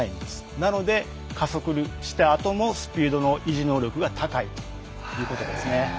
なので加速したあともスピードの維持能力が高いんです。